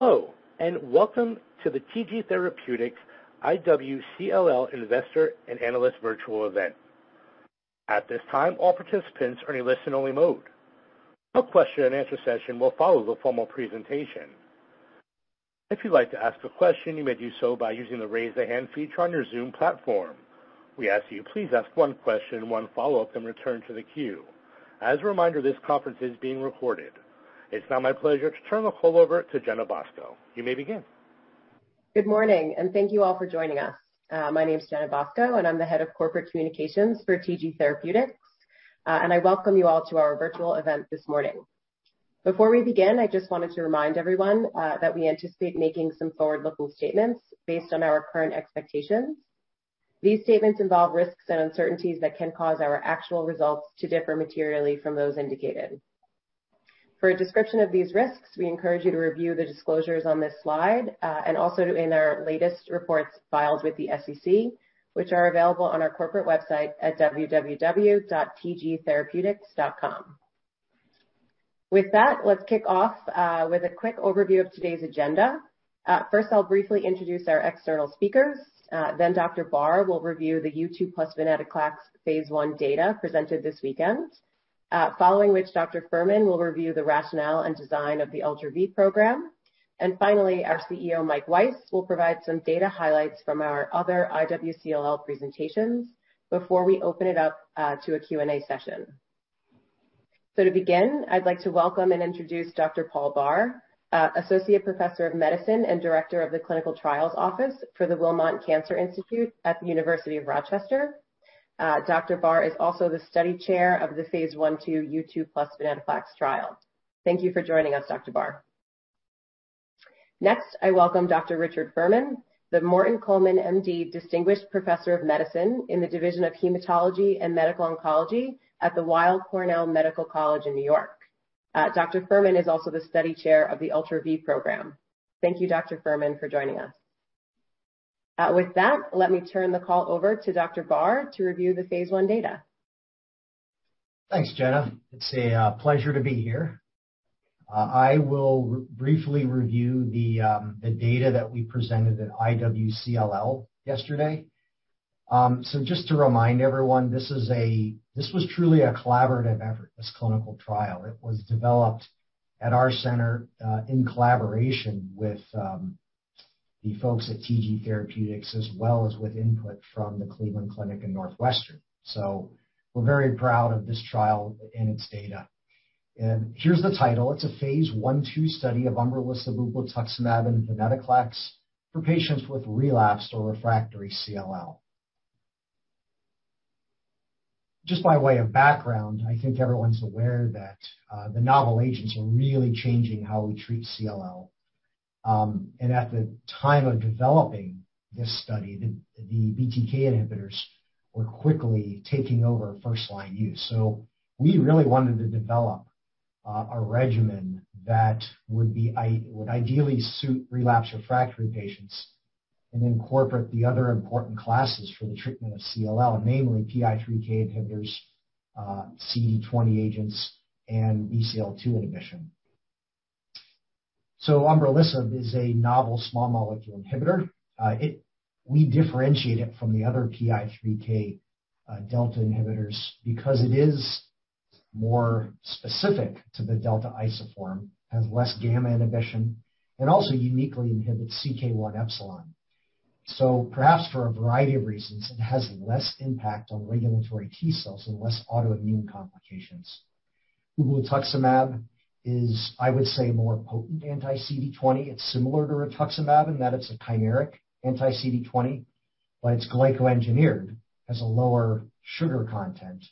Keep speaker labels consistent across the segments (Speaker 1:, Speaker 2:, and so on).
Speaker 1: Hello, and welcome to the TG Therapeutics iwCLL Investor and Analyst Virtual Event. At this time, all participants are in listen only mode. A question-and-answer session will follow the formal presentation. If you'd like to ask a question, you may do so by using the raise a hand feature on your Zoom platform. We ask you please ask one question, one follow-up, and return to the queue. As a reminder, this conference is being recorded. It's now my pleasure to turn the call over to Jenna Bosco. You may begin.
Speaker 2: Good morning. Thank you all for joining us. My name is Jenna Bosco, and I'm the head of corporate communications for TG Therapeutics. I welcome you all to our virtual event this morning. Before we begin, I just wanted to remind everyone that we anticipate making some forward-looking statements based on our current expectations. These statements involve risks and uncertainties that can cause our actual results to differ materially from those indicated. For a description of these risks, we encourage you to review the disclosures on this slide. Also in our latest reports filed with the SEC, which are available on our corporate website at www.tgtherapeutics.com. With that, let's kick off with a quick overview of today's agenda. First, I'll briefly introduce our external speakers. Dr. Barr will review the U2 plus venetoclax phase I data presented this weekend. Following which, Dr. Furman will review the rationale and design of the ULTRA-V program. Finally, our CEO, Mike Weiss, will provide some data highlights from our other iwCLL presentations before we open it up to a Q&A session. To begin, I'd like to welcome and introduce Dr. Paul Barr, Associate Professor of Medicine and Director of the Clinical Trials Office for the Wilmot Cancer Institute at the University of Rochester. Dr. Barr is also the study chair of the phase I-B/II U2 plus venetoclax trial. Thank you for joining us, Dr. Barr. Next, I welcome Dr. Richard Furman, the Morton Coleman, M.D. Distinguished Professor of Medicine in the division of Hematology and Medical Oncology at the Weill Cornell Medicine in New York. Dr. Furman is also the study chair of the ULTRA-V program. Thank you, Dr. Furman, for joining us. With that, let me turn the call over to Dr. Barr to review the phase I data.
Speaker 3: Thanks, Jenna. It's a pleasure to be here. I will briefly review the data that we presented at iwCLL yesterday. Just to remind everyone, this was truly a collaborative effort, this clinical trial. It was developed at our center, in collaboration with the folks at TG Therapeutics, as well as with input from the Cleveland Clinic in Northwestern. We're very proud of this trial and its data. Here's the title. It's a Phase I/II study of umbralisib, ublituximab, and venetoclax for patients with relapsed or refractory CLL. Just by way of background, I think everyone's aware that the novel agents are really changing how we treat CLL. At the time of developing this study, the BTK inhibitors were quickly taking over first-line use. We really wanted to debulk a regimen that would ideally suit relapse refractory patients and incorporate the other important classes for the treatment of CLL, namely PI3K inhibitors, CD20 agents, and BCL-2 inhibition. Umbralisib is a novel small molecule inhibitor. We differentiate it from the other PI3K delta inhibitors because it is more specific to the delta isoform, has less gamma inhibition, and also uniquely inhibits CK1ε. Perhaps for a variety of reasons, it has less impact on regulatory T cells and less autoimmune complications. Ublituximab is, I would say, more potent anti-CD20. It's similar to rituximab in that it's a chimeric anti-CD20, but it's glyco-engineered, has a lower sugar content,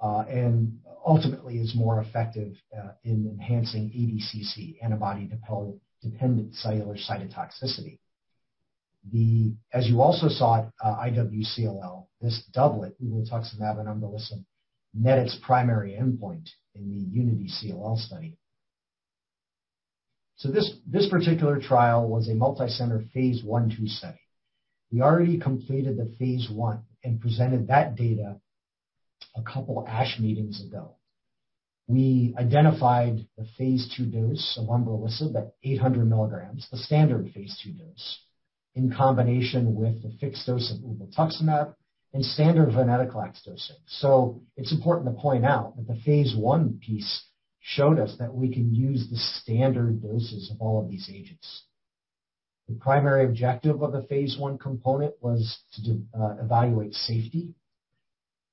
Speaker 3: and ultimately is more effective in enhancing ADCC, antibody-dependent cellular cytotoxicity. As you also saw at iwCLL, this doublet, ublituximab and umbralisib, met its primary endpoint in the UNITY-CLL study. This particular trial was a multi-center phase I/II study. We already completed the phase I and presented that data a couple ASH meetings ago. We identified the phase II dose of umbralisib at 800 mg, the standard phase II dose, in combination with the fixed dose of ublituximab and standard venetoclax dosing. It's important to point out that the phase I piece showed us that we can use the standard doses of all of these agents. The primary objective of the phase I component was to evaluate safety.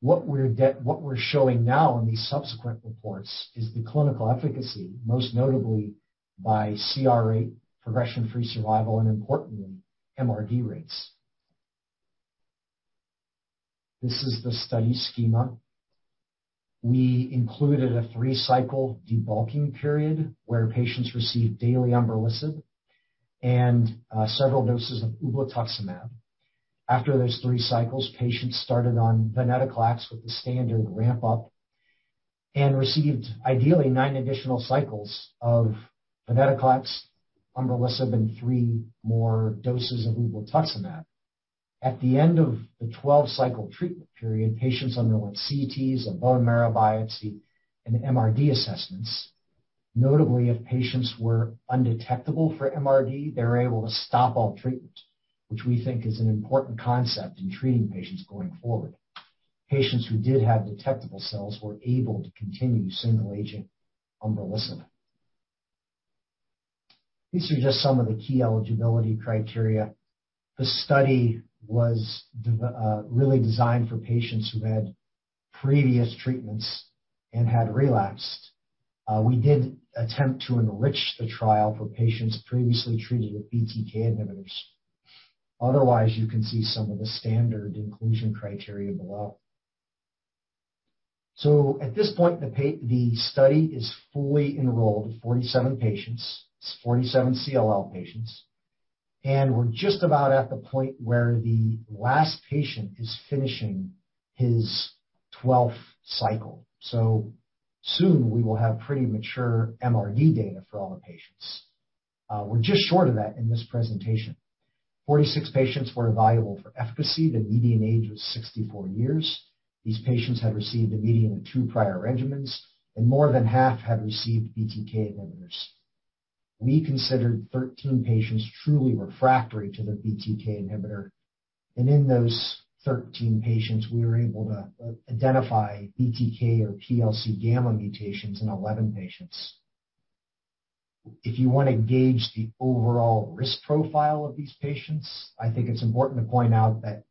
Speaker 3: What we're showing now in these subsequent reports is the clinical efficacy, most notably by CR rate, progression-free survival, and importantly, MRD rates. This is the study schema. We included a three-cycle debulking period where patients received daily umbralisib and several doses of ublituximab. After those three cycles, patients started on venetoclax with the standard ramp-up and received ideally nine additional cycles of venetoclax, umbralisib, and three more doses of ublituximab. At the end of the 12-cycle treatment period, patients underwent CTs, a bone marrow biopsy, and MRD assessments. Notably, if patients were undetectable for MRD, they were able to stop all treatment, which we think is an important concept in treating patients going forward. Patients who did have detectable cells were able to continue single-agent umbralisib. These are just some of the key eligibility criteria. The study was really designed for patients who had previous treatments and had relapsed. We did attempt to enrich the trial for patients previously treated with BTK inhibitors. Otherwise, you can see some of the standard inclusion criteria below. At this point, the study is fully enrolled, 47 patients. It's 47 CLL patients. We're just about at the point where the last patient is finishing his 12th cycle. Soon we will have pretty mature MRD data for all the patients. We're just short of that in this presentation. 46 patients were evaluable for efficacy. The median age was 64 years. These patients had received a median of two prior regimens. More than half had received BTK inhibitors. We considered 13 patients truly refractory to the BTK inhibitor. In those 13 patients, we were able to identify BTK or PLCgamma mutations in 11 patients. If you want to gauge the overall risk profile of these patients, I think it's important to point out that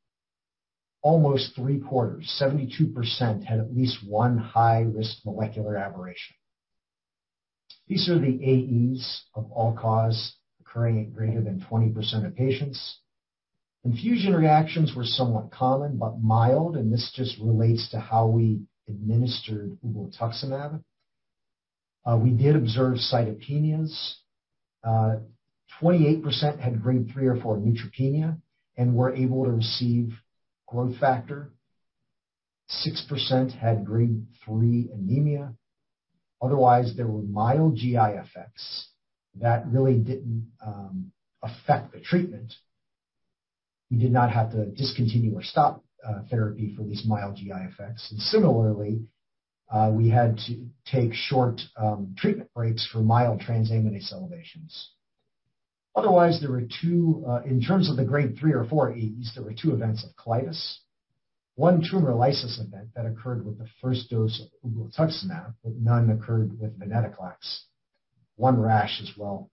Speaker 3: almost three-quarters, 72%, had at least one high-risk molecular aberration. These are the AEs of all cause occurring in greater than 20% of patients. Infusion reactions were somewhat common but mild, and this just relates to how we administered ublituximab. We did observe cytopenias. 28% had Grade 3 or 4 neutropenia and were able to receive growth factor. 6% had Grade 3 anemia. Otherwise, there were mild GI effects that really didn't affect the treatment. We did not have to discontinue or stop therapy for these mild GI effects. Similarly, we had to take short treatment breaks for mild transaminase elevations. Otherwise, in terms of the Grade 3 or 4 AEs, there were two events of colitis, one tumor lysis event that occurred with the first dose of ublituximab, but none occurred with venetoclax. One rash as well.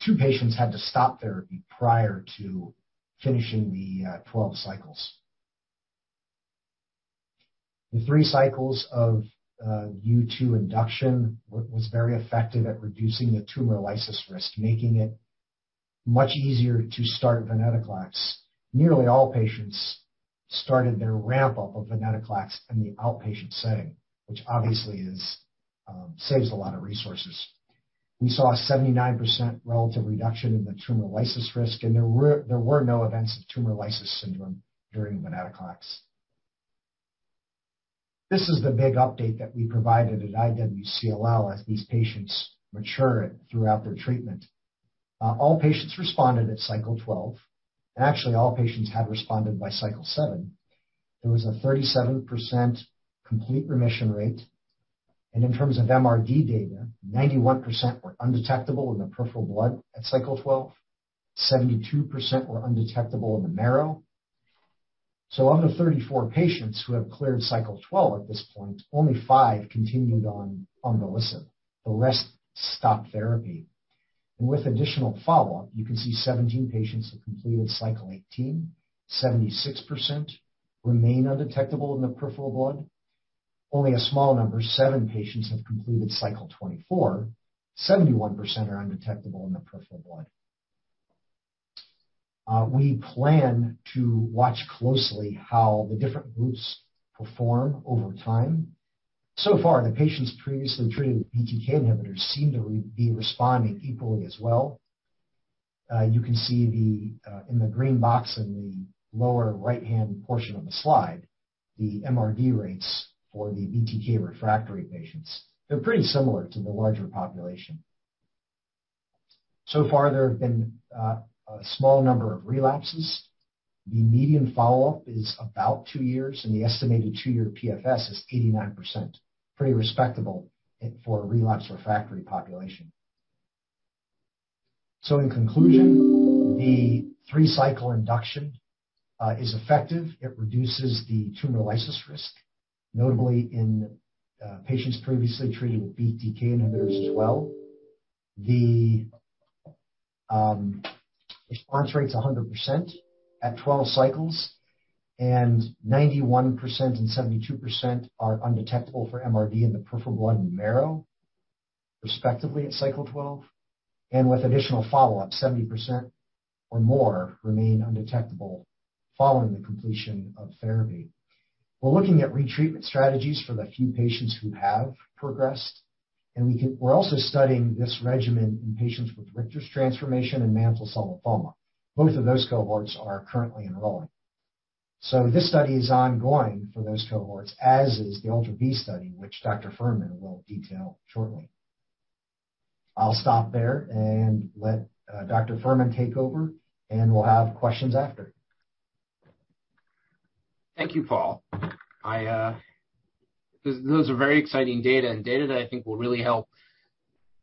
Speaker 3: Two patients had to stop therapy prior to finishing the 12 cycles. The three cycles of U2 induction was very effective at reducing the tumor lysis risk, making it much easier to start venetoclax. Nearly all patients started their ramp-up of venetoclax in the outpatient setting, which obviously saves a lot of resources. We saw a 79% relative reduction in the tumor lysis risk, and there were no events of tumor lysis syndrome during venetoclax. This is the big update that we provided at iwCLL as these patients mature throughout their treatment. All patients responded at cycle 12, and actually, all patients had responded by cycle seven. There was a 37% complete remission rate. In terms of MRD data, 91% were undetectable in the peripheral blood at cycle 12. 72% were undetectable in the marrow. Of the 34 patients who have cleared cycle 12 at this point, only five continued on umbralisib. The rest stopped therapy. With additional follow-up, you can see 17 patients have completed cycle 18. 76% remain undetectable in the peripheral blood. Only a small number, seven patients, have completed cycle 24. 71% are undetectable in the peripheral blood. We plan to watch closely how the different groups perform over time. The patients previously treated with BTK inhibitors seem to be responding equally as well. You can see in the green box in the lower right-hand portion of the slide, the MRD rates for the BTK-refractory patients. They're pretty similar to the larger population. There have been a small number of relapses. The median follow-up is about two years, and the estimated two-year PFS is 89%, pretty respectable for a relapse-refractory population. In conclusion, the three-cycle induction is effective. It reduces the tumor lysis risk, notably in patients previously treated with BTK inhibitors as well. The response rate's 100% at 12 cycles, and 91% and 72% are undetectable for MRD in the peripheral blood and marrow, respectively, at cycle 12. With additional follow-up, 70% or more remain undetectable following the completion of therapy. We're looking at retreatment strategies for the few patients who have progressed, and we're also studying this regimen in patients with Richter's transformation and mantle cell lymphoma. Both of those cohorts are currently enrolling. This study is ongoing for those cohorts, as is the ULTRA-V study, which Dr. Furman will detail shortly. I'll stop there and let Dr. Furman take over, and we'll have questions after.
Speaker 4: Thank you, Paul. Those are very exciting data, and data that I think will really help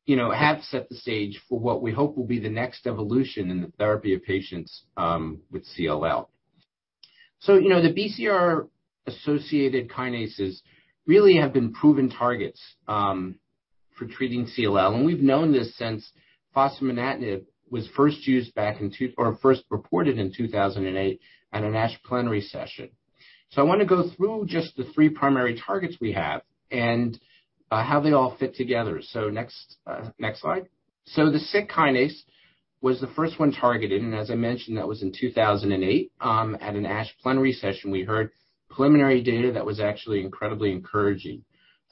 Speaker 4: have set the stage for what we hope will be the next evolution in the therapy of patients with CLL. The BCR-associated kinases really have been proven targets for treating CLL, and we've known this since fostamatinib was first reported in 2008 at an ASH Plenary Session. I want to go through just the three primary targets we have and how they all fit together. Next slide. The Syk kinase was the first one targeted, and as I mentioned, that was in 2008. At an ASH Plenary Session, we heard preliminary data that was actually incredibly encouraging.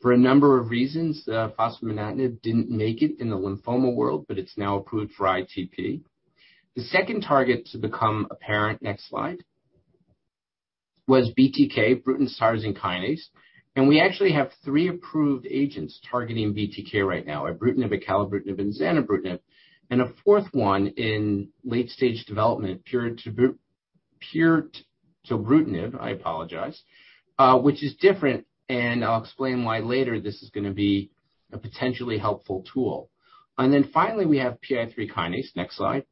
Speaker 4: For a number of reasons, fostamatinib didn't make it in the lymphoma world, but it's now approved for ITP. The second target to become apparent, next slide, was BTK, Bruton Tyrosine Kinase. We actually have three approved agents targeting BTK right now, ibrutinib, acalabrutinib, and zanubrutinib, and a fourth one in late stage development, pirtobrutinib, I apologize, which is different, and I'll explain why later this is going to be a potentially helpful tool. Finally, we have PI3K kinase, next slide,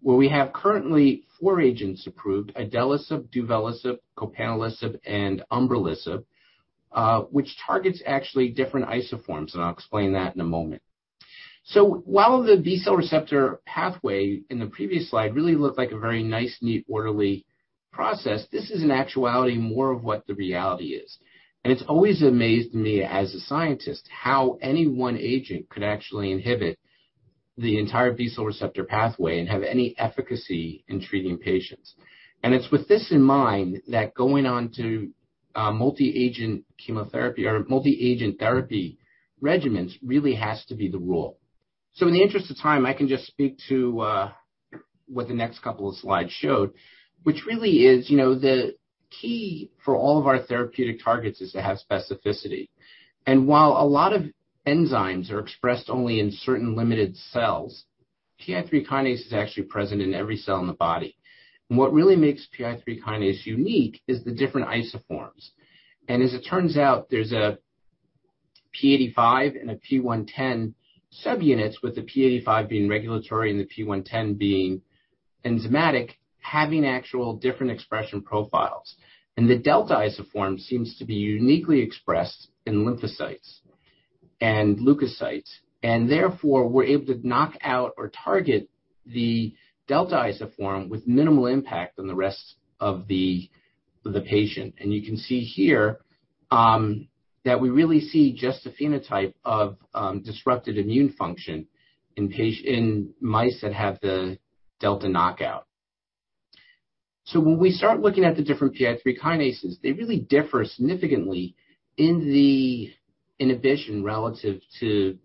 Speaker 4: where we have currently four agents approved, idelalisib, duvelisib, copanlisib, and umbralisib, which targets actually different isoforms, and I'll explain that in a moment. While the B-cell receptor pathway in the previous slide really looked like a very nice, neat, orderly process, this is in actuality more of what the reality is. It's always amazed me, as a scientist, how any one agent could actually inhibit the entire B-cell receptor pathway and have any efficacy in treating patients. It's with this in mind that going on to multi-agent chemotherapy or multi-agent therapy regimens really has to be the rule. In the interest of time, I can just speak to what the next couple of slides showed, which really is the key for all of our therapeutic targets is to have specificity. While a lot of enzymes are expressed only in certain limited cells, PI3K is actually present in every cell in the body. What really makes PI3K unique is the different isoforms. As it turns out, there's a p85 and a p110 subunits, with the p85 being regulatory and the p110 being enzymatic, having actual different expression profiles. The delta isoform seems to be uniquely expressed in lymphocytes and leukocytes, and therefore, we're able to knock out or target the delta isoform with minimal impact on the rest of the patient. You can see here that we really see just a phenotype of disrupted immune function in mice that have the delta knockout. When we start looking at the different PI3Ks, they really differ significantly in the inhibition relative to,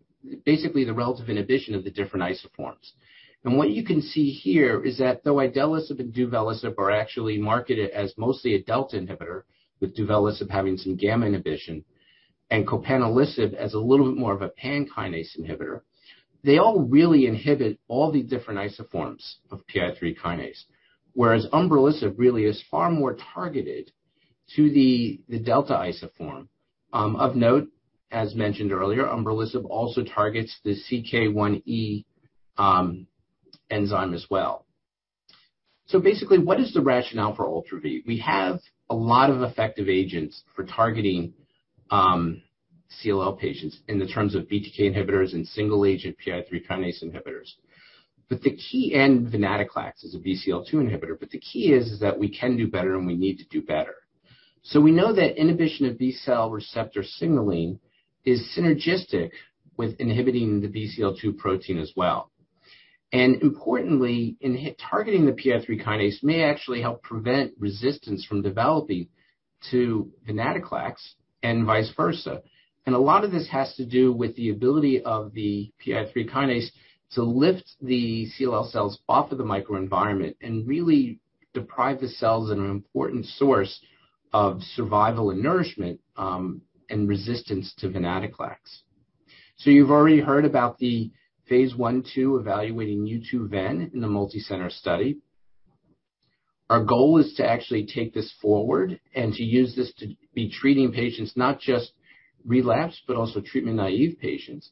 Speaker 4: basically the relative inhibition of the different isoforms. What you can see here is that though idelalisib and duvelisib are actually marketed as mostly a delta inhibitor, with duvelisib having some gamma inhibition, and copanlisib as a little bit more of a pan kinase inhibitor. They all really inhibit all the different isoforms of PI3K. Whereas umbralisib really is far more targeted to the delta isoform. Of note, as mentioned earlier, umbralisib also targets the CK1ε enzyme as well. Basically, what is the rationale for ULTRA-V? We have a lot of effective agents for targeting CLL patients in the terms of BTK inhibitors and single-agent PI3K inhibitors. The key in venetoclax is a BCL-2 inhibitor, the key is that we can do better and we need to do better. We know that inhibition of B-cell receptor signaling is synergistic with inhibiting the BCL-2 protein as well. Importantly, targeting the PI3K may actually help prevent resistance from developing to venetoclax and vice versa. A lot of this has to do with the ability of the PI3K to lift the CLL cells off of the microenvironment and really deprive the cells an important source of survival and nourishment, and resistance to venetoclax. You've already heard about the phase I/II evaluating U2Ven in the multi-center study. Our goal is to actually take this forward and to use this to be treating patients, not just relapsed, but also treatment-naive patients.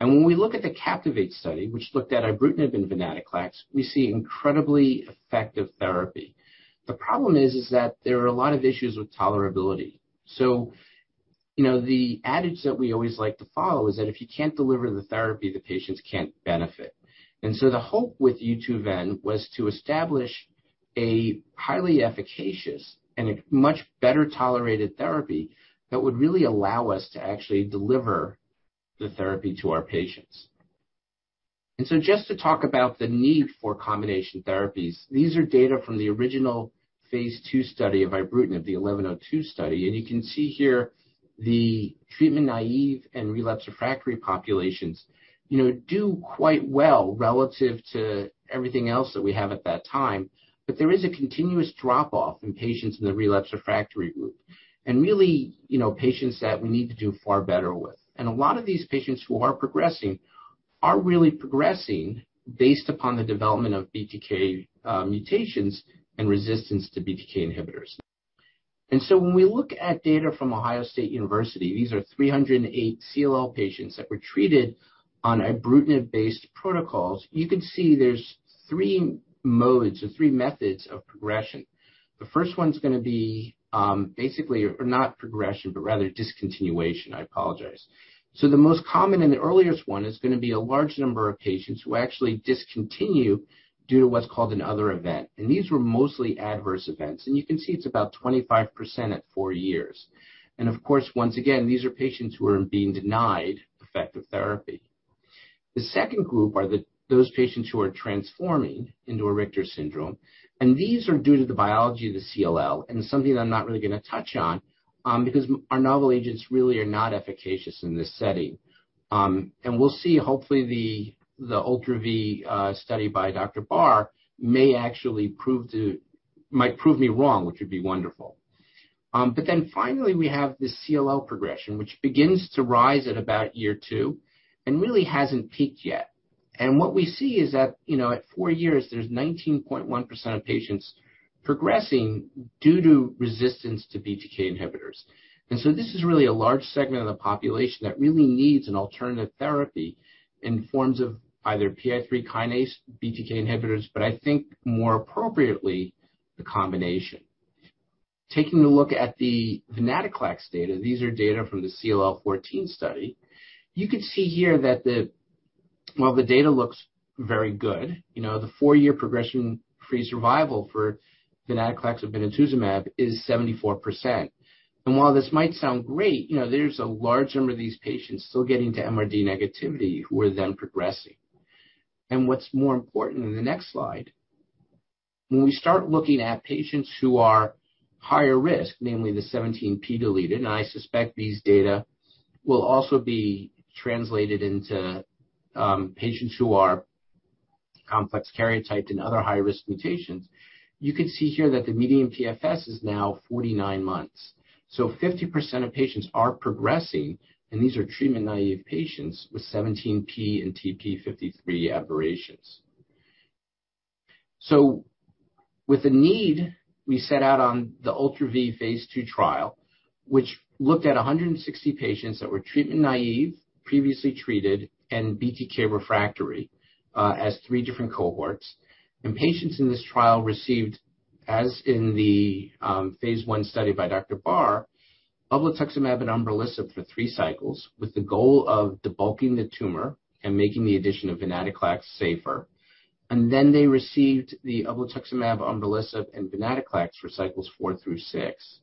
Speaker 4: When we look at the CAPTIVATE study, which looked at ibrutinib and venetoclax, we see incredibly effective therapy. The problem is that there are a lot of issues with tolerability. The adage that we always like to follow is that if you can't deliver the therapy, the patients can't benefit. The hope with U2Ven was to establish a highly efficacious and a much better-tolerated therapy that would really allow us to actually deliver the therapy to our patients. Just to talk about the need for combination therapies, these are data from the original phase II study of ibrutinib, the 1102 study. You can see here the treatment-naïve and relapsed/refractory populations do quite well relative to everything else that we have at that time. There is a continuous drop-off in patients in the relapsed/refractory group and really, patients that we need to do far better with. A lot of these patients who are progressing are really progressing based upon the development of BTK mutations and resistance to BTK inhibitors. When we look at data from The Ohio State University, these are 308 CLL patients that were treated on ibrutinib-based protocols. You can see there's three modes or three methods of progression. The first one's going to be basically, or not progression, but rather discontinuation. I apologize. The most common and the earliest one is going to be a large number of patients who actually discontinue due to what's called an other event. These were mostly adverse events. You can see it's about 25% at four years. Of course, once again, these are patients who are being denied effective therapy. The second group are those patients who are transforming into a Richter syndrome, and these are due to the biology of the CLL and something I'm not really going to touch on because our novel agents really are not efficacious in this setting. We'll see, hopefully, the ULTRA-V study by Dr. Barr might prove me wrong, which would be wonderful. Finally, we have the CLL progression, which begins to rise at about year two and really hasn't peaked yet. What we see is that at four years, there's 19.1% of patients progressing due to resistance to BTK inhibitors. This is really a large segment of the population that really needs an alternative therapy in forms of either PI3K kinase, BTK inhibitors, but I think more appropriately, the combination. Taking a look at the venetoclax data, these are data from the CLL14 study. You can see here that while the data looks very good, the four-year progression-free survival for venetoclax with obinutuzumab is 74%. While this might sound great, there's a large number of these patients still getting to MRD negativity who are then progressing. What's more important in the next slide, when we start looking at patients who are higher risk, namely the 17p deleted, and I suspect these data will also be translated into patients who are complex karyotyped and other high-risk mutations. You can see here that the median PFS is now 49 months. 50% of patients are progressing, and these are treatment-naïve patients with 17p and TP53 aberrations. With the need, we set out on the ULTRA-V phase II trial, which looked at 160 patients that were treatment-naïve, previously treated, and BTK refractory as three different cohorts. Patients in this trial received, as in the phase I study by Dr. Barr, ublituximab and umbralisib for three cycles, with the goal of debulking the tumor and making the addition of venetoclax safer. Then they received the ublituximab, umbralisib, and venetoclax for Cycles four through six.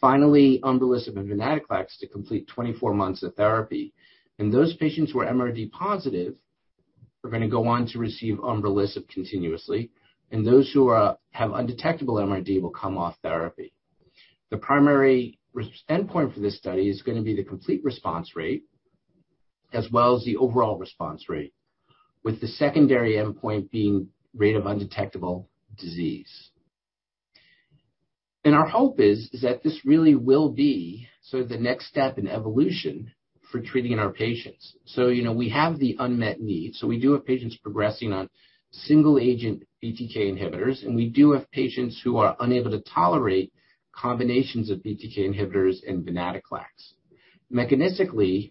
Speaker 4: Finally, umbralisib and venetoclax to complete 24 months of therapy. Those patients who are MRD positive are going to go on to receive umbralisib continuously, and those who have undetectable MRD will come off therapy. The primary endpoint for this study is going to be the complete response rate as well as the overall response rate, with the secondary endpoint being rate of undetectable disease. Our hope is that this really will be the next step in evolution for treating our patients. We have the unmet needs. We do have patients progressing on single-agent BTK inhibitors, and we do have patients who are unable to tolerate combinations of BTK inhibitors and venetoclax. Mechanistically,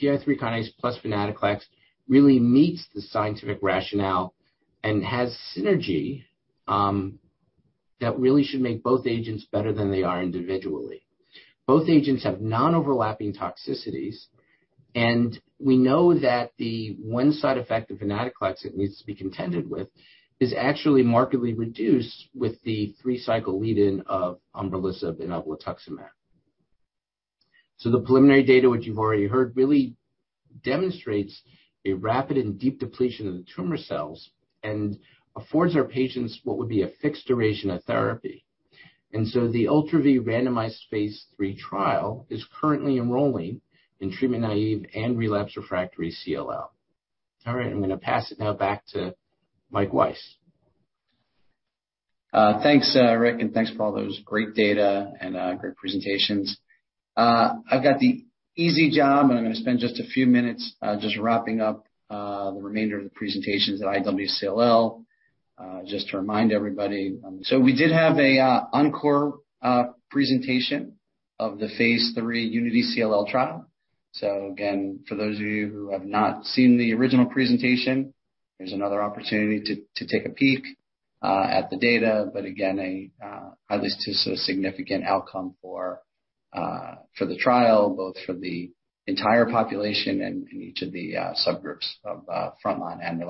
Speaker 4: PI3K kinase plus venetoclax really meets the scientific rationale and has synergy that really should make both agents better than they are individually. Both agents have non-overlapping toxicities, and we know that the one side effect of venetoclax that needs to be contended with is actually markedly reduced with the three-cycle lead-in of umbralisib and obinutuzumab. The preliminary data, which you've already heard, really demonstrates a rapid and deep depletion of the tumor cells and affords our patients what would be a fixed duration of therapy. The ULTRA-V randomized phase III trial is currently enrolling in treatment-naïve and relapsed/refractory CLL. All right, I'm going to pass it now back to Mike Weiss.
Speaker 5: Thanks, Rick, and thanks for all those great data and great presentations. I've got the easy job, I'm going to spend just a few minutes just wrapping up the remainder of the presentations at iwCLL. Just to remind everybody. We did have an encore presentation of the phase III UNITY-CLL trial. Again, for those of you who have not seen the original presentation, here's another opportunity to take a peek at the data. Again, this is a significant outcome for the trial, both for the entire population and each of the subgroups of frontline and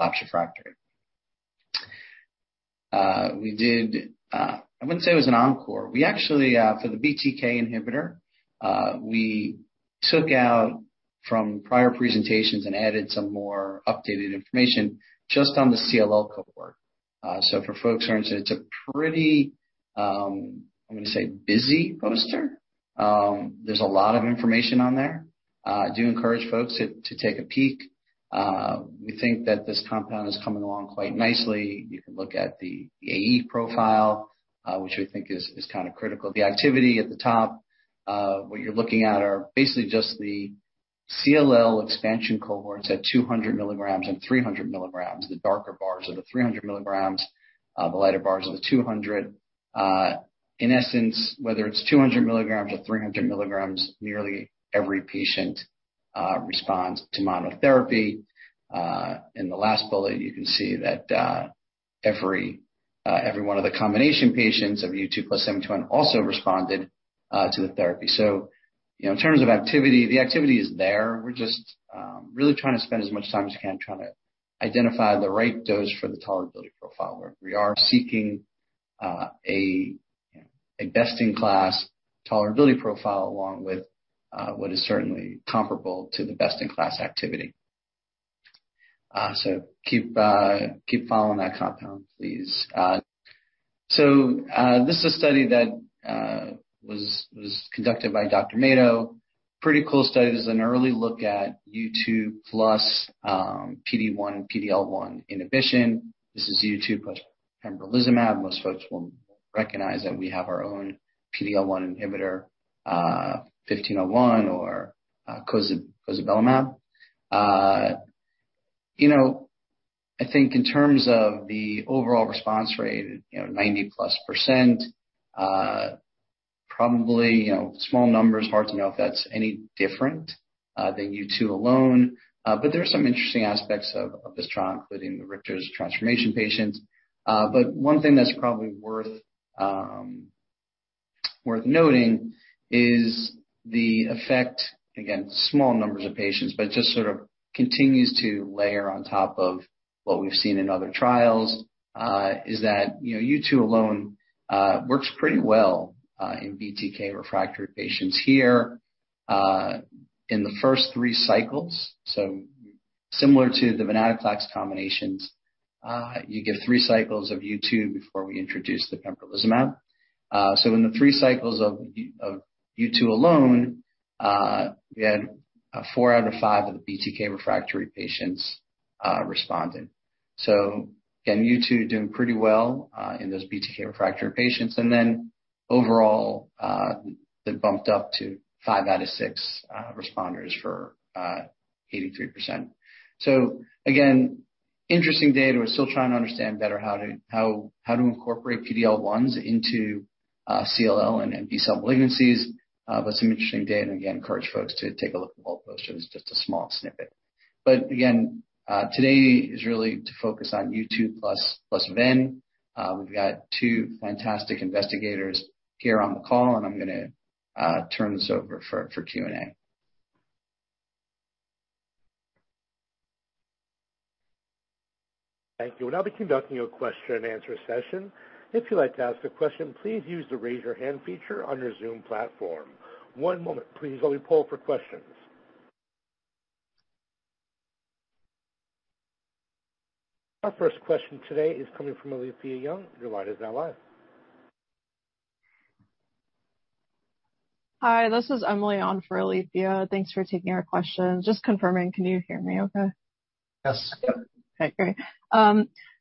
Speaker 5: relapsed/refractory. I wouldn't say it was an encore. We actually, for the BTK inhibitor, we took out from prior presentations and added some more updated information just on the CLL cohort. For folks who are interested, it's a pretty, I'm going to say, busy poster. There's a lot of information on there. I do encourage folks to take a peek. We think that this compound is coming along quite nicely. You can look at the AE profile, which we think is critical. The activity at the top, what you're looking at are basically just the CLL expansion cohorts at 200 mg and 300 mg. The darker bars are the 300 mg, the lighter bars are the 200 mg. In essence, whether it's 200 mg or 300 mg, nearly every patient responds to monotherapy. In the last bullet, you can see that every one of the combination patients of U2 plus TG-1701 also responded to the therapy. In terms of activity, the activity is there. We're just really trying to spend as much time as we can trying to identify the right dose for the tolerability profile. We are seeking a best-in-class tolerability profile along with what is certainly comparable to the best-in-class activity. Keep following that compound, please. This is a study that was conducted by Dr. Mato. Pretty cool study. This is an early look at U2 plus PD-1, PD-L1 inhibition. This is U2 plus pembrolizumab. Most folks will recognize that we have our own PD-L1 inhibitor, TG-1501 or cosibelimab. I think in terms of the overall response rate, 90%-plus. Probably, small numbers, hard to know if that's any different than U2 alone. There are some interesting aspects of this trial, including the Richter's transformation patients. One thing that's probably worth noting is the effect, again, small numbers of patients, but it just sort of continues to layer on top of what we've seen in other trials, is that U2 alone works pretty well in BTK-refractory patients here in the first three cycles. Similar to the venetoclax combinations, you get three cycles of U2 before we introduce the pembrolizumab. In the three cycles of U2 alone, we had 4/5 of the BTK-refractory patients responded. Again, U2 doing pretty well in those BTK-refractory patients. Overall, they bumped up to 5/6 responders for 83%. Again, interesting data. We're still trying to understand better how to incorporate PD-L1s into CLL and B-cell malignancies. Some interesting data, and again, encourage folks to take a look at the whole poster. This is just a small snippet. Again, today is really to focus on U2 plus ven. We've got two fantastic investigators here on the call, and I'm going to turn this over for Q&A.
Speaker 1: Thank you. We'll now be conducting a question-and-answer session. If you'd like to ask a question, please use the raise your hand feature on your Zoom platform. One moment please while we poll for questions. Our first question today is coming from Alethia Young. Your line is now live.
Speaker 6: Hi, this is Emily on for Alethia. Thanks for taking our question. Just confirming, can you hear me okay?
Speaker 5: Yes.
Speaker 6: Okay, great.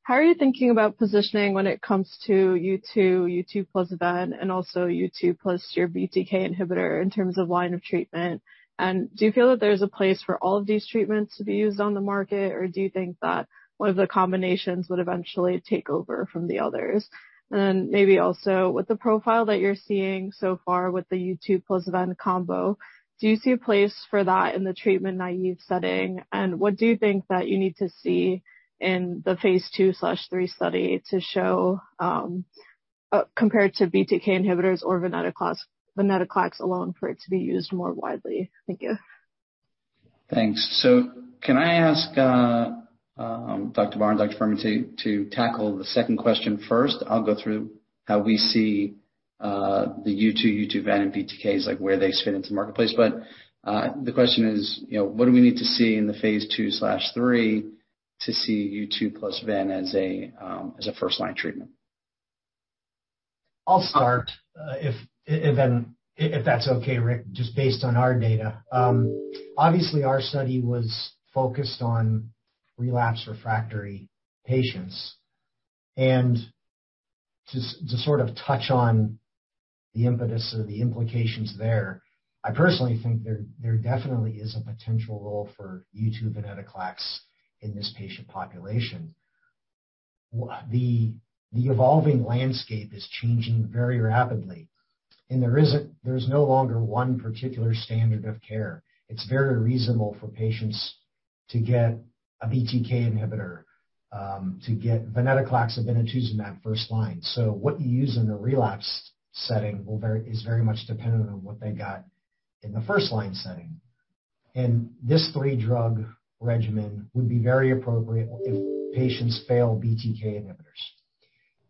Speaker 6: How are you thinking about positioning when it comes to U2 plus ven, and also U2 plus your BTK inhibitor in terms of line of treatment? Do you feel that there's a place for all of these treatments to be used on the market, or do you think that one of the combinations would eventually take over from the others? Maybe also, with the profile that you're seeing so far with the U2 plus ven combo, do you see a place for that in the treatment-naive setting? What do you think that you need to see in the phase II/III study to show, compared to BTK inhibitors or venetoclax alone, for it to be used more widely? Thank you.
Speaker 5: Thanks. Can I ask Dr. Barr, Dr. Furman, to tackle the second question first? I'll go through how we see the U2 ven, and BTKs, like where they fit into the marketplace. The question is, what do we need to see in the phase II/III to see U2 plus ven as a first-line treatment?
Speaker 3: I'll start, if that's okay, Rick, just based on our data. Obviously, our study was focused on relapse refractory patients. To sort of touch on the impetus or the implications there, I personally think there definitely is a potential role for U2 plus venetoclax in this patient population. The evolving landscape is changing very rapidly, and there's no longer one particular standard of care. It's very reasonable for patients to get a BTK inhibitor, to get venetoclax, obinutuzumab first line. What you use in a relapse setting is very much dependent on what they got in the first line setting. This three-drug regimen would be very appropriate if patients fail BTK inhibitors.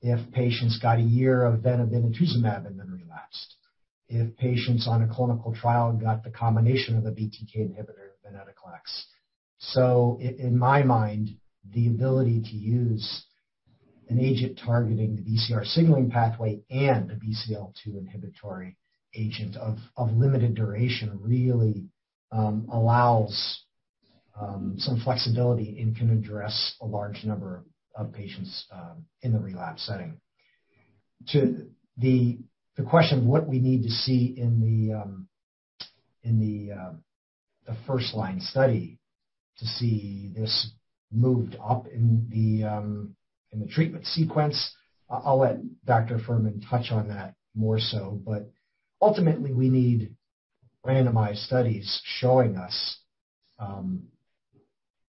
Speaker 3: If patients got a year of venetoclax and obinutuzumab and then relapsed. If patients on a clinical trial got the combination of a BTK inhibitor, venetoclax. In my mind, the ability to use an agent targeting the BCR signaling pathway and a BCL-2 inhibitory agent of limited duration really allows some flexibility and can address a large number of patients in the relapse setting. To the question of what we need to see in the first line study to see this moved up in the treatment sequence, I'll let Dr. Furman touch on that more so. Ultimately, we need randomized studies showing us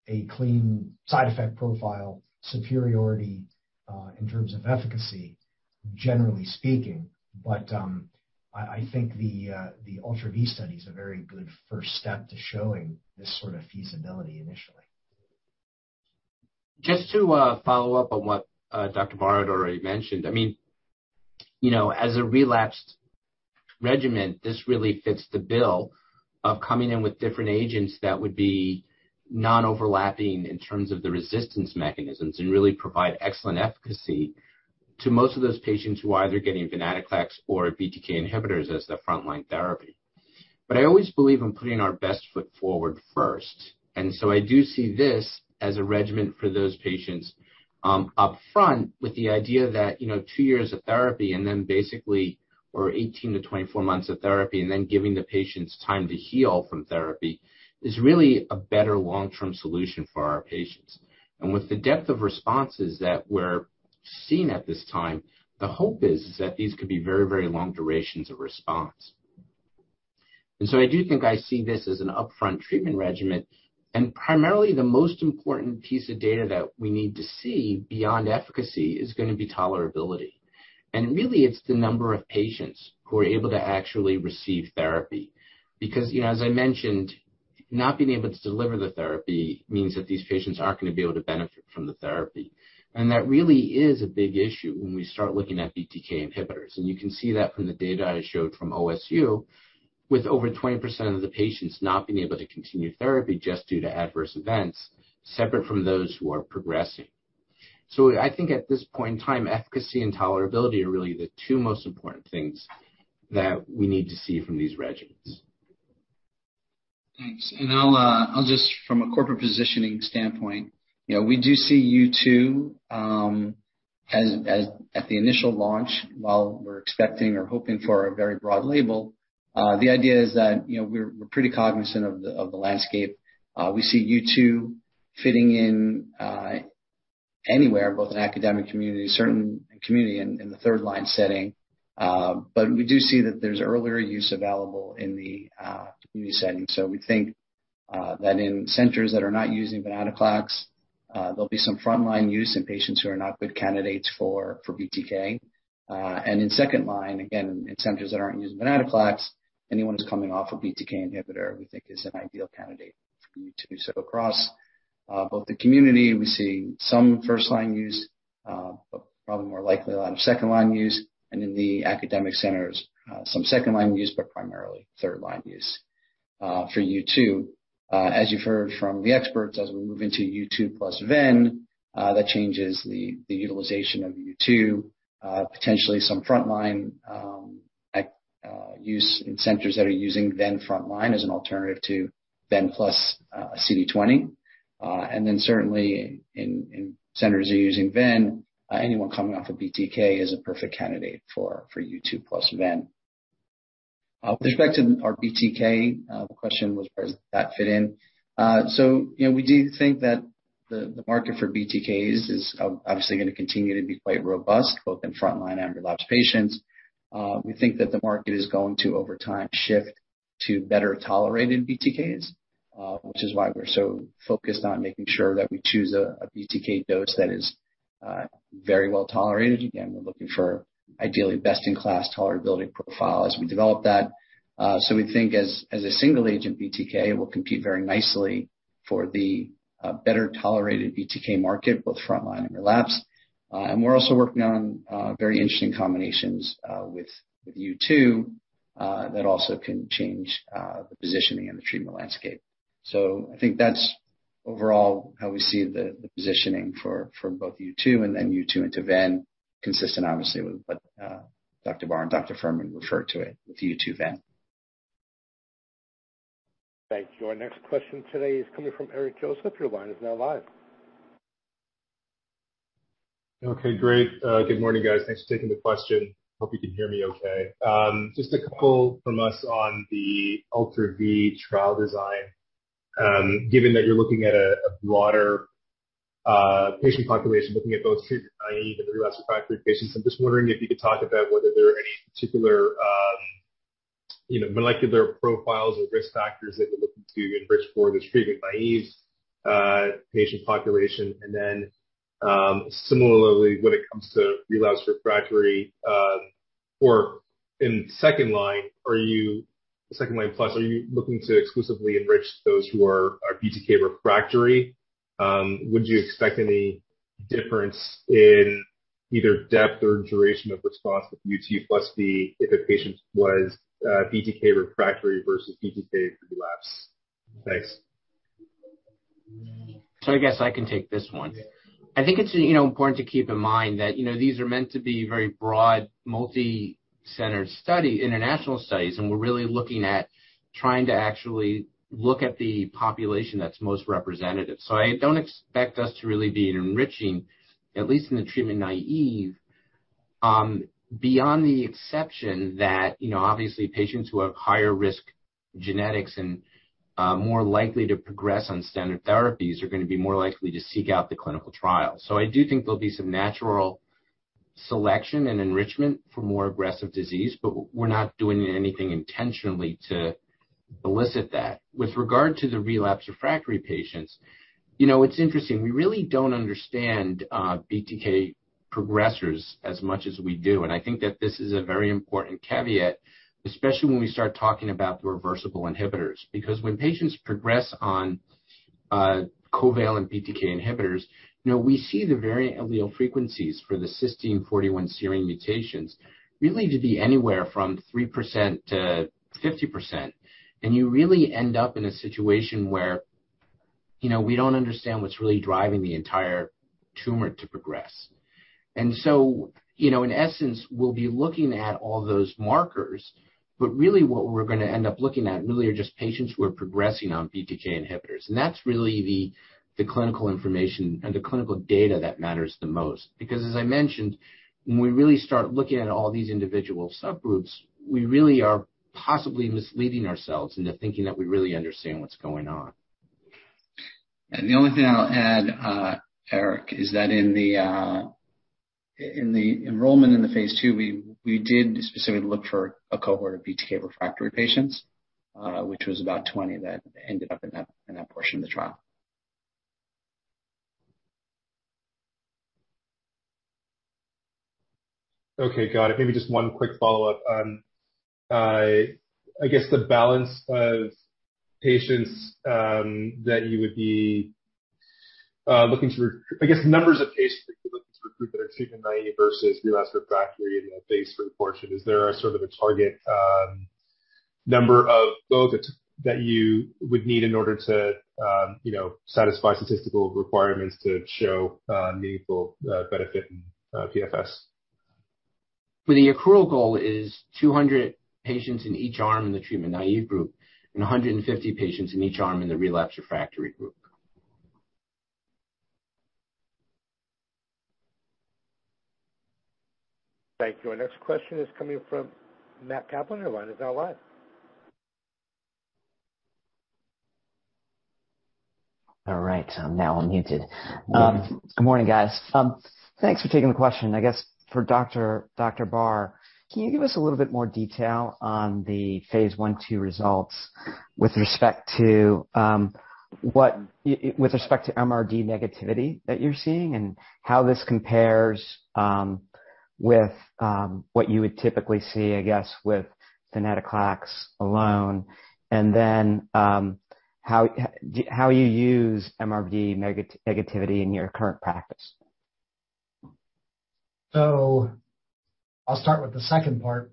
Speaker 3: a clean side effect profile, superiority in terms of efficacy, generally speaking. I think the ULTRA-V study is a very good first step to showing this sort of feasibility initially.
Speaker 4: Just to follow up on what Dr. Barr had already mentioned. As a relapsed regimen, this really fits the bill of coming in with different agents that would be non-overlapping in terms of the resistance mechanisms and really provide excellent efficacy to most of those patients who are either getting venetoclax or BTK inhibitors as their frontline therapy. I always believe in putting our best foot forward first, and so I do see this as a regimen for those patients upfront with the idea that two years of therapy and then basically or 18-24 months of therapy and then giving the patients time to heal from therapy is really a better long-term solution for our patients. With the depth of responses that we're seeing at this time, the hope is that these could be very, very long durations of response. I do think I see this as an upfront treatment regimen, and primarily the most important piece of data that we need to see beyond efficacy is going to be tolerability. Really, it's the number of patients who are able to actually receive therapy. Because, as I mentioned, not being able to deliver the therapy means that these patients aren't going to be able to benefit from the therapy. That really is a big issue when we start looking at BTK inhibitors. You can see that from the data I showed from OSU, with over 20% of the patients not being able to continue therapy just due to adverse events, separate from those who are progressing. I think at this point in time, efficacy and tolerability are really the two most important things that we need to see from these regimens.
Speaker 5: Thanks. I'll just from a corporate positioning standpoint, we do see U2 at the initial launch, while we're expecting or hoping for a very broad label. The idea is that we're pretty cognizant of the landscape. We see U2 fitting in anywhere, both in academic community, certain community in the third-line setting. We do see that there's earlier use available in the community setting. We think that in centers that are not using venetoclax there'll be some frontline use in patients who are not good candidates for BTK. In second-line, again, in centers that aren't using venetoclax, anyone who's coming off a BTK inhibitor, we think is an ideal candidate for U2. Across both the community, we're seeing some first-line use, but probably more likely a lot of second-line use. In the academic centers some second-line use, but primarily third-line use for U2. As you've heard from the experts, as we move into U2 plus ven, that changes the utilization of U2. Potentially some frontline use in centers that are using ven frontline as an alternative to ven plus a CD20. Then certainly in centers that are using ven, anyone coming off of BTK is a perfect candidate for U2 plus ven. With respect to our BTK, the question was, where does that fit in? We do think that the market for BTKs is obviously going to continue to be quite robust, both in frontline and relapsed patients. We think that the market is going to, over time, shift to better-tolerated BTKs, which is why we're so focused on making sure that we choose a BTK dose that is very well-tolerated. Again, we're looking for ideally best-in-class tolerability profile as we develop that. We think as a single-agent BTK will compete very nicely for the better-tolerated BTK market, both frontline and relapsed. We are also working on very interesting combinations with U2 that also can change the positioning and the treatment landscape. I think that is overall how we see the positioning for both U2 and then U2 into ven, consistent obviously with what Dr. Barr and Dr. Furman referred to it with U2 ven.
Speaker 1: Thanks. Your next question today is coming from Eric Joseph. Your line is now live.
Speaker 7: Okay, great. Good morning, guys. Thanks for taking the question. Hope you can hear me okay. A couple from us on the Ultra-V trial design. Given that you're looking at a broader patient population, looking at both treatment-naive and relapsed/refractory patients, if you could talk about whether there are any particular molecular profiles or risk factors that you're looking to enrich for this treatment-naive patient population. Similarly, when it comes to relapsed/refractory or in second line plus, are you looking to exclusively enrich those who are BTK refractory? Would you expect any difference in either depth or duration of response with U2 plus ven if a patient was BTK refractory versus BTK relapse? Thanks.
Speaker 4: I guess I can take this one. I think it's important to keep in mind that these are meant to be very broad, multi-centered international studies, and we're really looking at trying to actually look at the population that's most representative. I don't expect us to really be enriching, at least in the treatment-naive, beyond the exception that obviously patients who have higher risk genetics and are more likely to progress on standard therapies are going to be more likely to seek out the clinical trial. I do think there'll be some natural selection and enrichment for more aggressive disease, but we're not doing anything intentionally to elicit that. With regard to the relapse refractory patients, it's interesting. We really don't understand BTK progressors as much as we do. I think that this is a very important caveat, especially when we start talking about the reversible inhibitors. When patients progress on covalent BTK inhibitors, we see the variant allele frequencies for the cysteine 481 serine mutations really to be anywhere from 3%-50%. You really end up in a situation where we don't understand what's really driving the entire tumor to progress. In essence, we'll be looking at all those markers, but really what we're going to end up looking at really are just patients who are progressing on BTK inhibitors. That's really the clinical information and the clinical data that matters the most. As I mentioned, when we really start looking at all these individual subgroups, we really are possibly misleading ourselves into thinking that we really understand what's going on.
Speaker 3: The only thing I'll add, Eric, is that in the enrollment in the phase II, we did specifically look for a cohort of BTK refractory patients, which was about 20 that ended up in that portion of the trial.
Speaker 7: Okay, got it. Maybe just one quick follow-up. I guess the numbers of patients that you're looking to recruit that are treatment-naive versus relapse refractory in the phase III portion. Is there a target number of both that you would need in order to satisfy statistical requirements to show meaningful benefit in PFS?
Speaker 4: The accrual goal is 200 patients in each arm in the treatment-naive group and 150 patients in each arm in the relapse refractory group.
Speaker 1: Thank you. Our next question is coming from Matt Kaplan.
Speaker 8: All right. Now I'm unmuted. Good morning, guys. Thanks for taking the question. I guess for Dr. Barr, can you give us a little bit more detail on the phase I/II results with respect to MRD negativity that you're seeing and how this compares with what you would typically see, I guess, with venetoclax alone? How you use MRD negativity in your current practice.
Speaker 3: I'll start with the second part.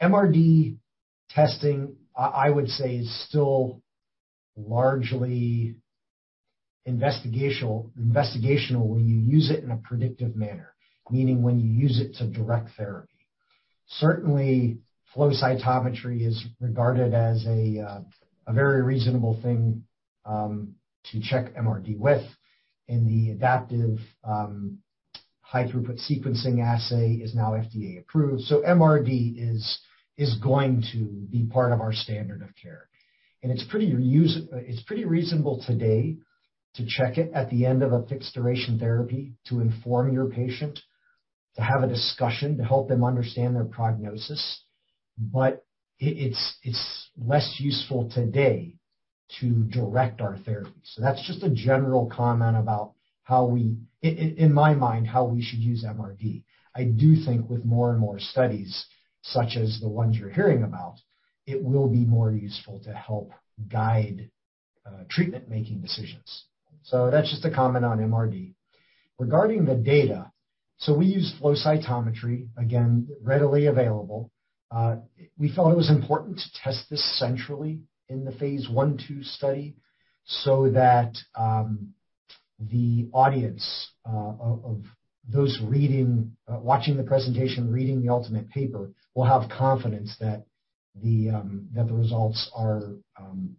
Speaker 3: MRD testing, I would say, is still largely investigational when you use it in a predictive manner, meaning when you use it to direct therapy. Certainly, flow cytometry is regarded as a very reasonable thing to check MRD with, and the adaptive high-throughput sequencing assay is now FDA-approved. MRD is going to be part of our standard of care. It's pretty reasonable today to check it at the end of a fixed-duration therapy to inform your patient, to have a discussion, to help them understand their prognosis. It's less useful today to direct our therapy. That's just a general comment about, in my mind, how we should use MRD. I do think with more and more studies, such as the ones you're hearing about, it will be more useful to help guide treatment-making decisions. That's just a comment on MRD. Regarding the data, we used flow cytometry, again, readily available. We felt it was important to test this centrally in the phase I/II study so that the audience of those watching the presentation, reading the ultimate paper, will have confidence that the results are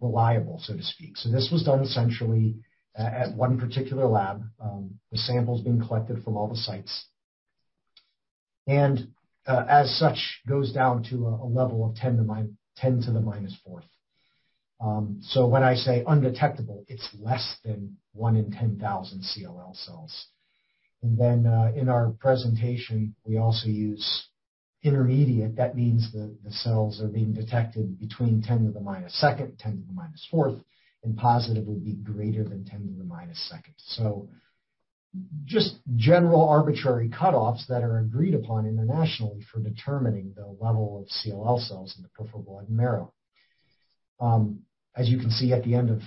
Speaker 3: reliable, so to speak. This was done essentially at one particular lab. The samples being collected from all the sites. As such, goes down to a level of 10⁻⁴. When I say undetectable, it's less than 1 in 10,000 CLL cells. In our presentation, we also use intermediate. That means the cells are being detected between 10⁻², 10⁻⁴, and positive would be greater than 10⁻². Just general arbitrary cutoffs that are agreed upon internationally for determining the level of CLL cells in the peripheral blood and marrow. As you can see, at the end of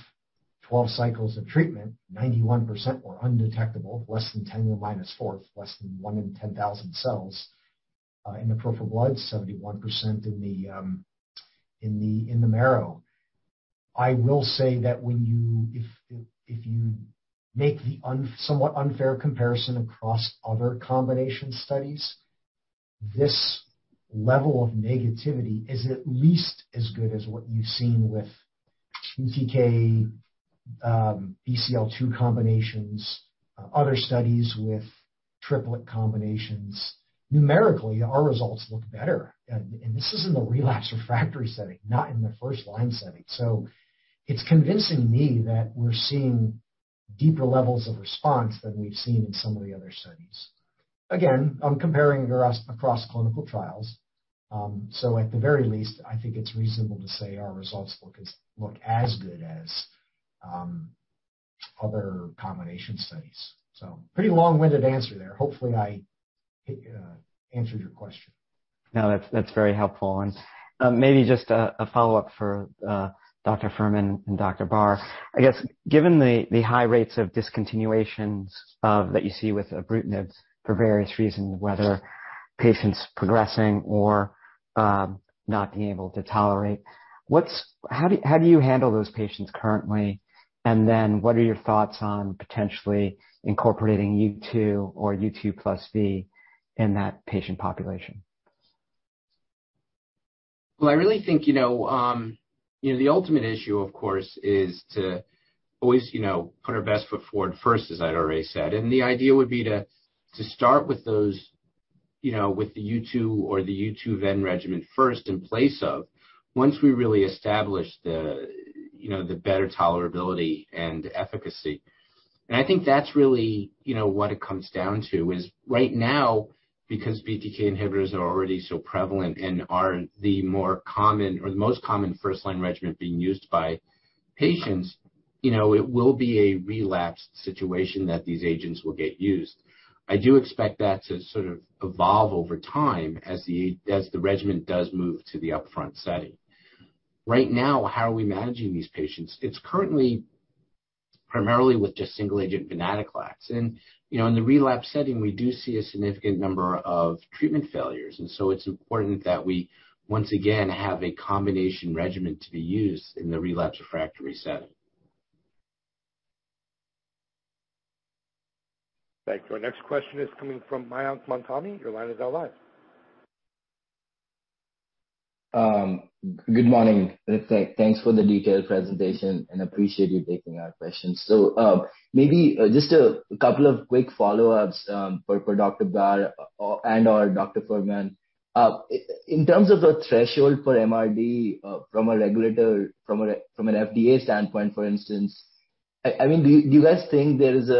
Speaker 3: 12 cycles of treatment, 91% were undetectable, less than 10 to the -4th, less than 1 in 10,000 cells in the peripheral blood, 71% in the marrow. I will say that if you make the somewhat unfair comparison across other combination studies, this level of negativity is at least as good as what you've seen with BTK, BCL-2 combinations, other studies with triplet combinations. Numerically, our results look better, and this is in the relapsed refractory setting, not in the first-line setting. It's convincing me that we're seeing deeper levels of response than we've seen in some of the other studies. Again, I'm comparing across clinical trials. At the very least, I think it's reasonable to say our results look as good as other combination studies. Pretty long-winded answer there. Hopefully, I answered your question.
Speaker 8: No, that's very helpful. Maybe just a follow-up for Dr. Furman and Dr. Barr. I guess, given the high rates of discontinuations that you see with ibrutinib for various reasons, whether patients progressing or not being able to tolerate, how do you handle those patients currently? Then what are your thoughts on potentially incorporating U2 or U2+V in that patient population?
Speaker 4: Well, I really think, the ultimate issue, of course, is to always put our best foot forward first, as I'd already said. The idea would be to start with the U2 or the U2 ven regimen first in place of once we really establish the better tolerability and efficacy. I think that's really what it comes down to is right now, because BTK inhibitors are already so prevalent and are the more common or the most common first-line regimen being used by patients, it will be a relapsed situation that these agents will get used. I do expect that to sort of evolve over time as the regimen does move to the upfront setting. Right now, how are we managing these patients? It's currently primarily with just single-agent venetoclax. In the relapse setting, we do see a significant number of treatment failures, and so it's important that we, once again, have a combination regimen to be used in the relapse refractory setting.
Speaker 1: Thank you. Our next question is coming from Mayank Mamtani. Your line is now live.
Speaker 9: Good morning. Thanks for the detailed presentation, and appreciate you taking our questions. Maybe just a couple of quick follow-ups for Dr. Barr and/or Dr. Furman. In terms of the threshold for MRD from an FDA standpoint, for instance, do you guys think there is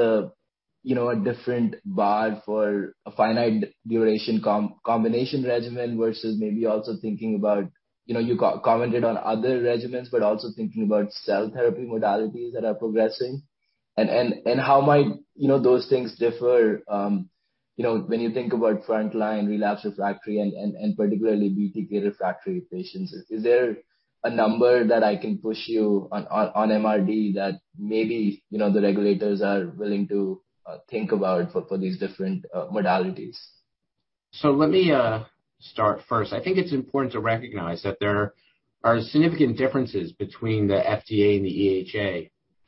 Speaker 9: a different bar for a finite duration combination regimen versus you commented on other regimens, but also thinking about cell therapy modalities that are progressing? How might those things differ when you think about frontline relapse refractory and particularly BTK refractory patients? Is there a number that I can push you on MRD that maybe the regulators are willing to think about for these different modalities?
Speaker 4: Let me start first. I think it's important to recognize that there are significant differences between the FDA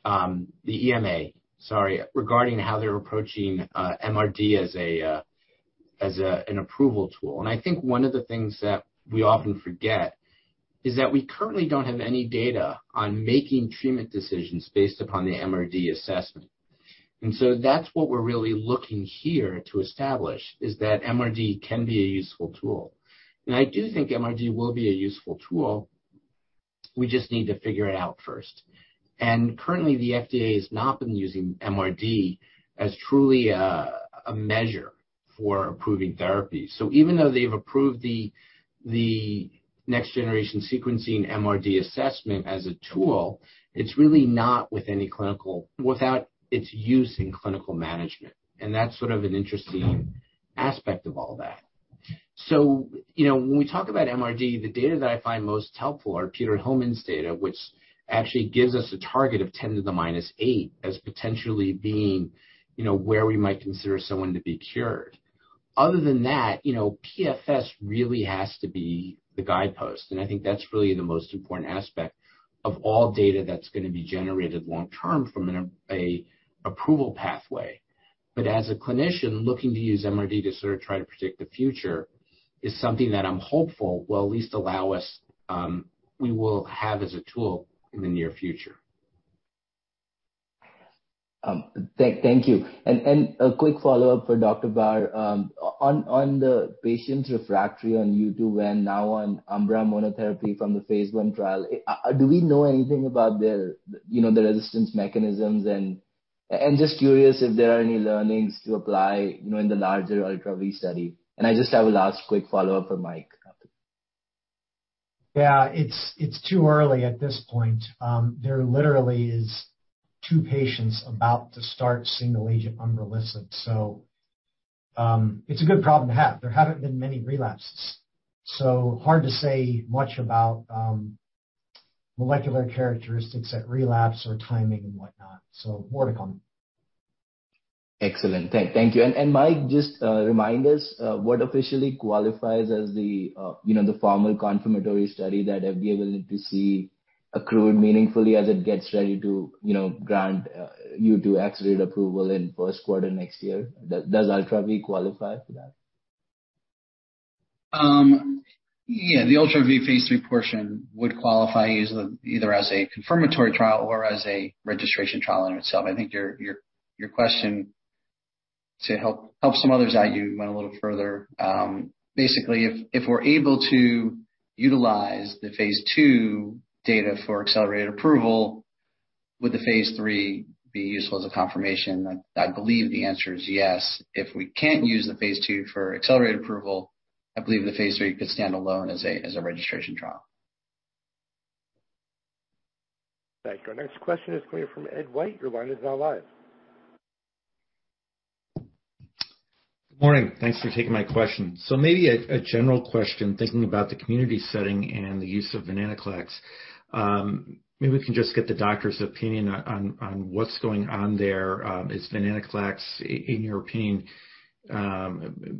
Speaker 4: and the EMA regarding how they're approaching MRD as an approval tool. I think one of the things that we often forget is that we currently don't have any data on making treatment decisions based upon the MRD assessment. That's what we're really looking here to establish, is that MRD can be a useful tool. I do think MRD will be a useful tool, we just need to figure it out first. Currently, the FDA has not been using MRD as truly a measure for approving therapy. Even though they've approved the next generation sequencing MRD assessment as a tool, it's really not without its use in clinical management, and that's sort of an interesting aspect of all that. When we talk about MRD, the data that I find most helpful are Peter Hillmen's data, which actually gives us a target of 10 to the -8 as potentially being where we might consider someone to be cured. Other than that, PFS really has to be the guidepost, and I think that's really the most important aspect of all data that's going to be generated long term from an approval pathway. As a clinician looking to use MRD to sort of try to predict the future is something that I'm hopeful will at least allow us, we will have as a tool in the near future.
Speaker 9: Thank you. A quick follow-up for Dr. Barr. On the patients refractory on U2 and now on umbra monotherapy from the phase I trial, do we know anything about the resistance mechanisms? Just curious if there are any learnings to apply in the larger ULTRA-V study. I just have a last quick follow-up for Mike.
Speaker 3: Yeah, it's too early at this point. There literally is two patients about to start single-agent umbralisib. It's a good problem to have. There haven't been many relapses, hard to say much about molecular characteristics at relapse or timing and whatnot. More to come.
Speaker 9: Excellent. Thank you. Mike, just remind us what officially qualifies as the formal confirmatory study that FDA will need to see accrued meaningfully as it gets ready to grant U2 accelerated approval in first quarter next year. Does ULTRA-V qualify for that?
Speaker 5: Yeah. The ULTRA-V phase III portion would qualify either as a confirmatory trial or as a registration trial in itself. I think your question, to help some others out, you went a little further. If we're able to utilize the phase II data for accelerated approval, would the phase III be useful as a confirmation? I believe the answer is yes. If we can't use the phase II for accelerated approval, I believe the phase III could stand alone as a registration trial.
Speaker 1: Thanks. Our next question is coming from Ed White.
Speaker 10: Good morning. Thanks for taking my question. Maybe a general question, thinking about the community setting and the use of venetoclax. Maybe we can just get the doctor's opinion on what's going on there. Is venetoclax, in your opinion,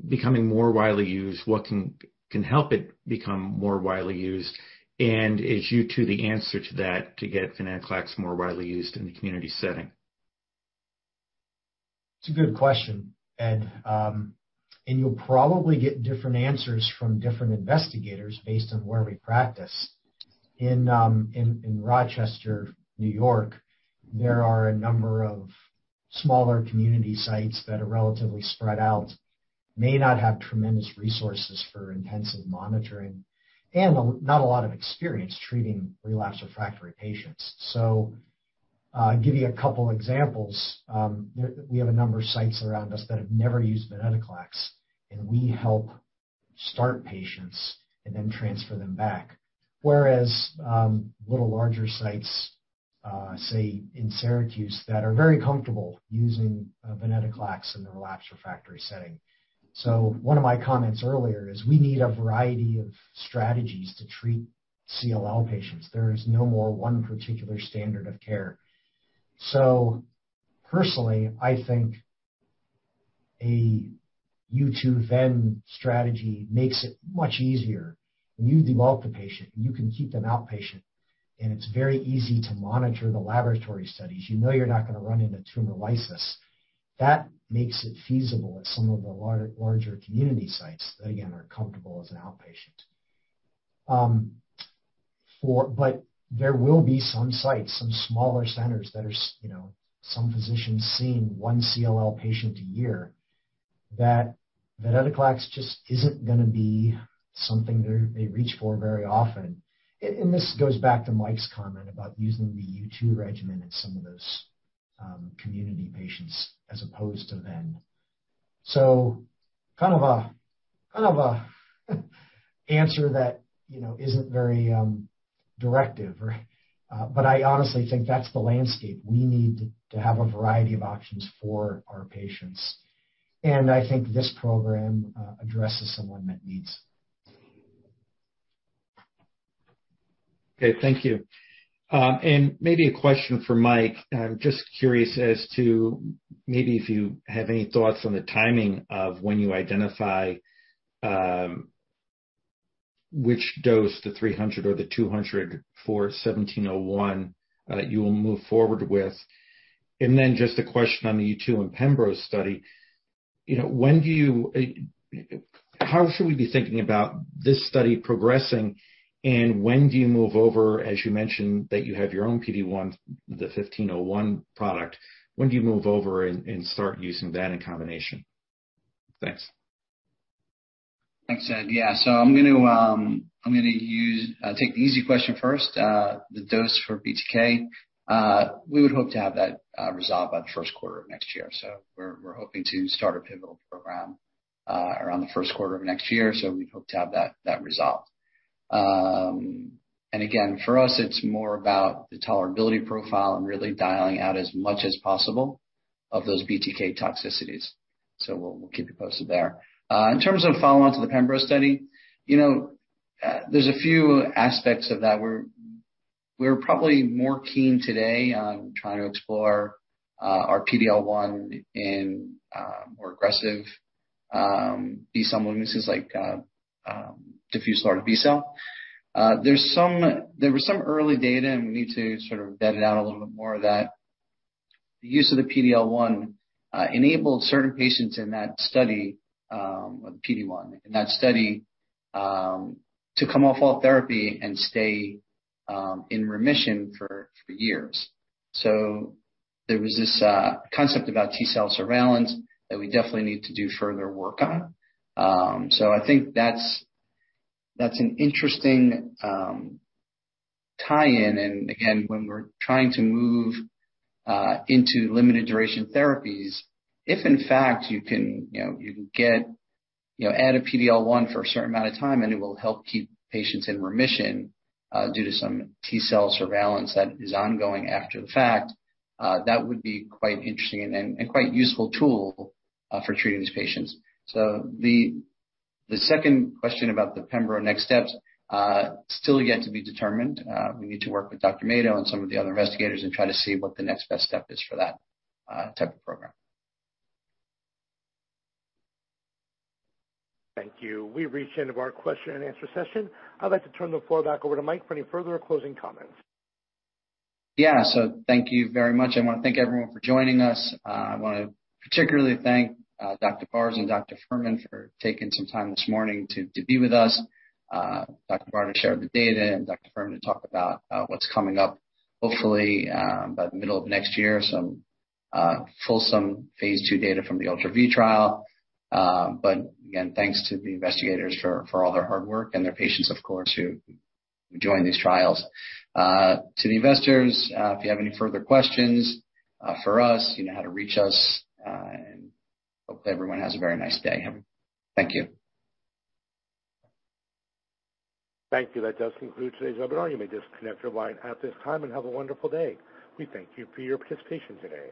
Speaker 10: becoming more widely used? What can help it become more widely used? Is U2 the answer to that to get venetoclax more widely used in the community setting?
Speaker 3: It's a good question, Ed. You'll probably get different answers from different investigators based on where we practice. In Rochester, N.Y., there are a number of smaller community sites that are relatively spread out, may not have tremendous resources for intensive monitoring, and not a lot of experience treating relapse refractory patients. I'll give you a couple examples. We have a number of sites around us that have never used venetoclax, and we help start patients and then transfer them back. Whereas little larger sites, say in Syracuse, that are very comfortable using venetoclax in the relapse refractory setting. One of my comments earlier is we need a variety of strategies to treat CLL patients. There is no more one particular standard of care Personally, I think a U2 ven strategy makes it much easier when you develop the patient and you can keep them outpatient and it's very easy to monitor the laboratory studies. You know you're not going to run into tumor lysis. That makes it feasible at some of the larger community sites that, again, are comfortable as an outpatient. There will be some sites, some smaller centers that are some physicians seeing one CLL patient a year, that venetoclax just isn't going to be something they reach for very often. This goes back to Michael Weiss's comment about using the U2 regimen in some of those community patients as opposed to ven. Kind of a answer that isn't very directive. I honestly think that's the landscape. We need to have a variety of options for our patients. I think this program addresses some unmet needs.
Speaker 10: Okay, thank you. Maybe a question for Mike. I'm just curious as to maybe if you have any thoughts on the timing of when you identify which dose, the 300 mg or the 200 mg for TG-1701, you will move forward with. Just a question on the U2 and pembrolizumab study. How should we be thinking about this study progressing, and when do you move over, as you mentioned that you have your own PD-1, the TG-1501 product, when do you move over and start using that in combination? Thanks.
Speaker 5: Thanks, Ed. Yeah. I'm going to take the easy question first. The dose for BTK, we would hope to have that resolved by the first quarter of next year. We're hoping to start a pivotal program around the first quarter of next year. We'd hope to have that resolved. Again, for us, it's more about the tolerability profile and really dialing out as much as possible of those BTK toxicities. We'll keep you posted there. In terms of follow-on to the pembro study, there's a few aspects of that. We're probably more keen today on trying to explore our PD-L1 in more aggressive B-cell illnesses like diffuse large B-cell. There were some early data. We need to sort of vet it out a little bit more that the use of the PD-L1 enabled certain patients in that study with PD-1 in that study, to come off all therapy and stay in remission for years. There was this concept about T-cell surveillance that we definitely need to do further work on. I think that's an interesting tie-in. Again, when we're trying to move into limited duration therapies, if in fact you can add a PD-L1 for a certain amount of time and it will help keep patients in remission due to some T-cell surveillance that is ongoing after the fact, that would be quite interesting and quite useful tool for treating these patients. The second question about the pembro next steps, still yet to be determined. We need to work with Dr. Mato and some of the other investigators and try to see what the next best step is for that type of program.
Speaker 1: Thank you. We've reached the end of our question-and-answer session. I'd like to turn the floor back over to Mike for any further closing comments.
Speaker 5: Thank you very much. I want to thank everyone for joining us. I want to particularly thank Dr. Barr and Dr. Furman for taking some time this morning to be with us. Dr. Barr shared the data, and Dr. Furman talked about what's coming up, hopefully by the middle of next year, some fulsome phase II data from the ULTRA-V trial. Again, thanks to the investigators for all their hard work and their patients, of course, who joined these trials. To the investors, if you have any further questions for us, you know how to reach us. Hopefully everyone has a very nice day. Thank you.
Speaker 1: Thank you. That does conclude today's webinar. You may disconnect your line at this time and have a wonderful day. We thank you for your participation today.